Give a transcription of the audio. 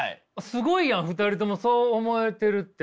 すごいやん２人ともそう思えてるって。